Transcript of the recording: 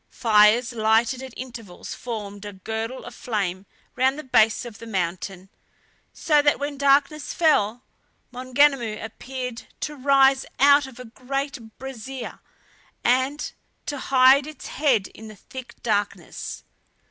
Fires lighted at intervals formed a girdle of flame round the base of the mountain, so that when darkness fell, Maunganamu appeared to rise out of a great brasier, and to hide its head in the thick darkness.